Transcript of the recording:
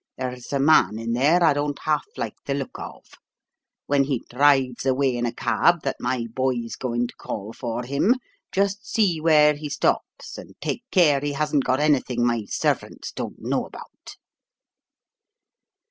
There's a man in there I don't half like the look of. When he drives away in a cab that my boy's going to call for him, just see where he stops, and take care he hasn't got anything my servants don't know about."